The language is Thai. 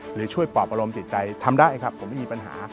หรือช่วยปอบอารมณ์จิตใจทำได้ครับผมไม่มีปัญหา